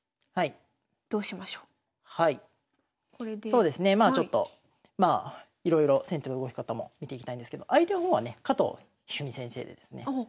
そうですねまあちょっといろいろ先手の動き方も見ていきたいんですけど相手の方はね加藤一二三先生でですね